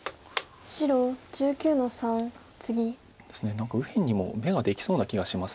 何か右辺にも眼ができそうな気がします。